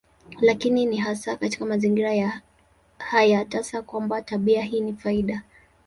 Lakini ni hasa katika mazingira haya tasa kwamba tabia hii ni faida.